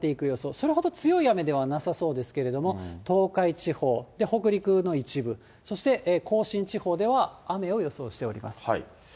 それほど強い雨ではなさそうですけれども、東海地方、北陸の一部、そして甲信地方では雨を予想しております。